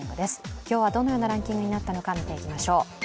今日はどのようなランキングになったのか見ていきましょう。